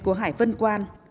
của hải vân quan